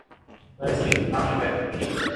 برصغیر کی پرانی روایت یہی رہی ہے۔